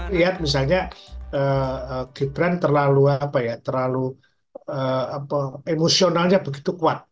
lihat misalnya gibran terlalu emosionalnya begitu kuat